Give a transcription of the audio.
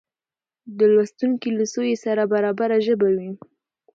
د لوستونکې له سویې سره برابره ژبه وي